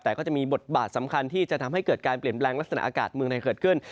แต่ก็จะมีบทบาทสำคัญที่จะทำให้เกิดการเปลี่ยนแปลงลักษณะอากาศเมืองในเกิดขึ้น